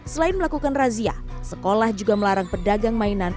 selain melakukan razia sekolah juga melarang pedagang mainan